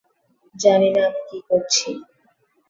জানি না আমি কি করছি।